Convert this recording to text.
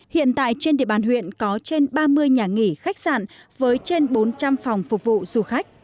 hiện tại trên địa bàn huyện có trên ba mươi nhà nghỉ khách sạn với trên bốn trăm linh phòng phục vụ du khách